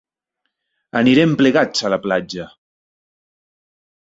Anirem plegats a la platja!